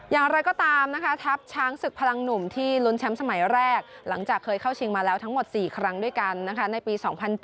อย่างไรก็ตามนะคะทัพช้างศึกพลังหนุ่มที่ลุ้นแชมป์สมัยแรกหลังจากเคยเข้าชิงมาแล้วทั้งหมด๔ครั้งด้วยกันนะคะในปี๒๐๐๗